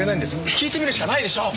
聞いてみるしかないでしょう。